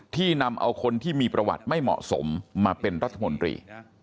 นำเอาคนที่มีประวัติไม่เหมาะสมมาเป็นรัฐมนตรี